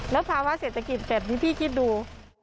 แล้วภาวะเศรษฐกิจเสร็จที่พี่คิดดู